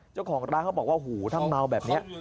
เจ้าของร้านเขาบอกว่าหูถ้าเมาแบบนี้